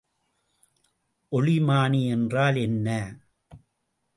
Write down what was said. ஒளிமானி என்றால் என்ன?